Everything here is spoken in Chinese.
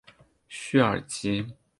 叙尔吉。